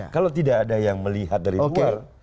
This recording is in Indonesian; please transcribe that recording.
kalau tidak ada yang melihat dari luar